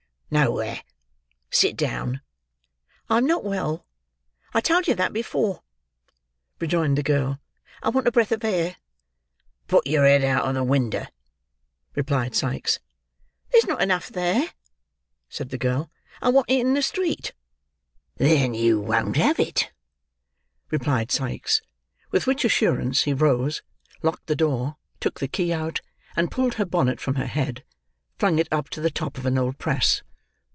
"Nowhere. Sit down." "I'm not well. I told you that before," rejoined the girl. "I want a breath of air." "Put your head out of the winder," replied Sikes. "There's not enough there," said the girl. "I want it in the street." "Then you won't have it," replied Sikes. With which assurance he rose, locked the door, took the key out, and pulling her bonnet from her head, flung it up to the top of an old press.